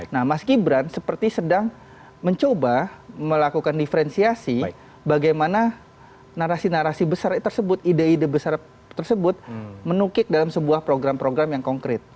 nah mas gibran seperti sedang mencoba melakukan diferensiasi bagaimana narasi narasi besar tersebut ide ide besar tersebut menukik dalam sebuah program program yang konkret